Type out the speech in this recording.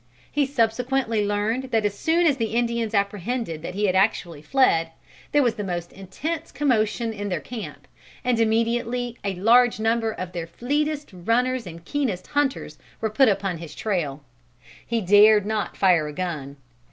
He subsequently learned that as soon as the Indians apprehended that he had actually fled, there was the most intense commotion in their camp, and immediately a large number of their fleetest runners and keenest hunters were put upon his trail. He dared not fire a gun.